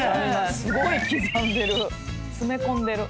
すごい刻んでる。